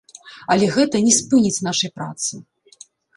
Але гэта не спыніць нашай працы.